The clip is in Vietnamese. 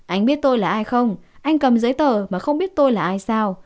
anh biết tôi là ai không anh cầm giấy tờ mà không biết tôi là ai sao